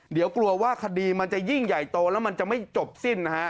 เดี๋ยวกลัวว่าคดีมันจะยิ่งใหญ่โตแล้วมันจะไม่จบสิ้นนะฮะ